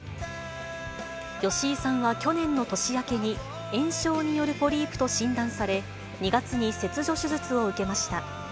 吉井さんは去年の年明けに、炎症によるポリープと診断され、２月に切除手術を受けました。